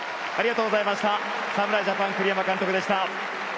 侍ジャパン、栗山監督でした。